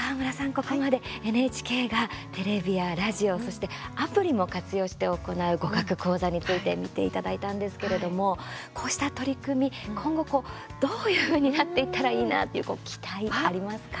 ここまでＮＨＫがテレビやラジオそしてアプリも活用して行う語学講座について見ていただいたんですけれどもこうした取り組み、今後どういうふうになっていったらいいなっていう期待ありますか。